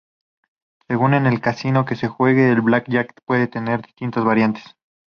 Según el casino en que se juegue, el blackjack puede tener distintas variantes.